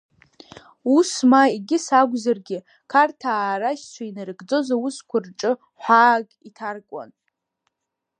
Ус ма егьыс акәзаргьы, қарҭаа рашьцәа инарыгӡоз аусқәа рҿы ҳәаак иҭаркуан.